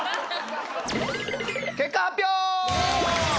結果発表！